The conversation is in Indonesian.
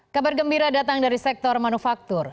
kabar gembira datang dari sektor manufaktur